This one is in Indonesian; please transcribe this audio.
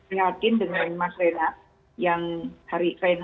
niatin dengan mas rena